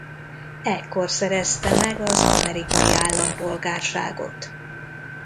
Ekkor szerezte meg az amerikai állampolgárságot.